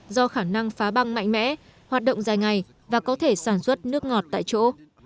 do khả năng phá băng mạnh mẽ hoạt động dài ngày và có thể sản xuất nước ngọt tại chỗ